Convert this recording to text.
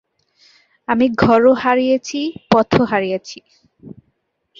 আমি ঘরও হারিয়েছি, পথও হারিয়েছি।